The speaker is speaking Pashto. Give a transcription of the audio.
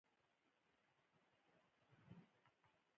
د سید جمال الدین مقبره په کابل کې ده